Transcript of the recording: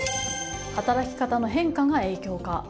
働き方の変化が影響か。